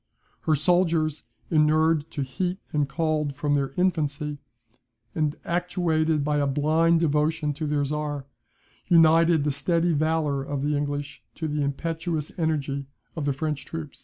Her soldiers, inured to heat and cold from their infancy, and actuated by a blind devotion to their Czar, united the steady valour of the English to the impetuous energy of the French troops."